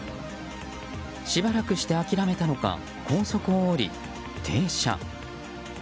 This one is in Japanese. しばらくして諦めたのか高速を降り、停車。